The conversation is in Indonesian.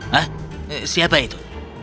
hah siapa itu